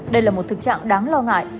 đây là một thực trạng đáng lo ngại